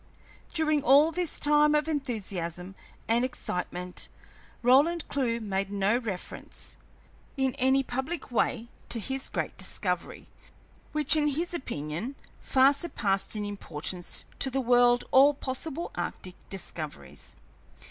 During all this time of enthusiasm and excitement, Roland Clewe made no reference, in any public way, to his great discovery, which, in his opinion, far surpassed in importance to the world all possible arctic discoveries.